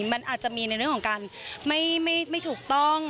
มันอาจจะมีในเรื่องของการไม่ถูกต้อง